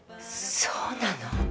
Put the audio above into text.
そうなの？